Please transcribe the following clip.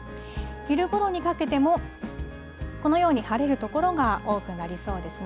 昼ごろにかけても、このように晴れる所が多くなりそうですね。